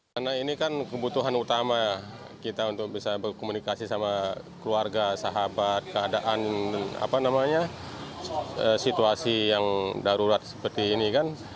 karena ini kan kebutuhan utama kita untuk bisa berkomunikasi sama keluarga sahabat keadaan situasi yang darurat seperti ini kan